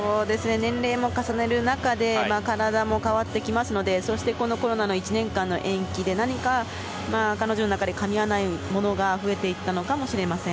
年齢も重ねる中で体も変わってきますのでそしてコロナの１年間の延期で何か彼女の中でかみ合わないものが増えていったのかもしれません。